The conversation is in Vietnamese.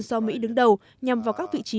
do mỹ đứng đầu nhằm vào các vị trí